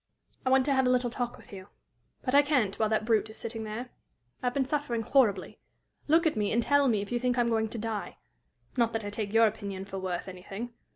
"I want to have a little talk with you. But I can't while that brute is sitting there. I have been suffering horribly. Look at me, and tell me if you think I am going to die not that I take your opinion for worth anything.